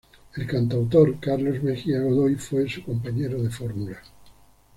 El cantautor Carlos Mejía Godoy fue su compañero de fórmula.